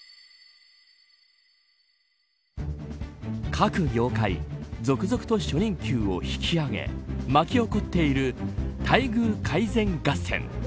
各業界、続々と初任給を引き上げ巻き起こっている待遇改善合戦。